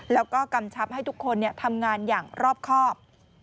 แล้วก็กำชับให้ทุกคนทำงานอย่างรอบครอบ